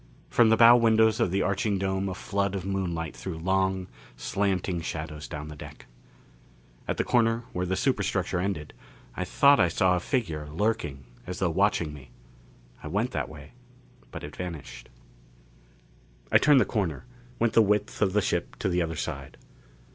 From the bow windows of the arching dome a flood of moonlight threw long, slanting shadows down the deck. At the corner where the superstructure ended, I thought I saw a figure lurking as though watching me. I went that way, but it vanished. I turned the corner, went the width of the ship to the other side.